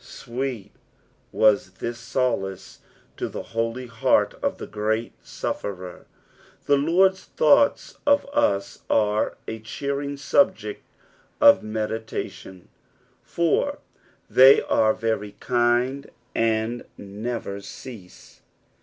Bweet was this solace to the holy heart of the great sufEerer. The Lord's thoughts of us are a cheering subject of meditation, for they are ever kind and paAUt THE FOETIETH. 269 never cease.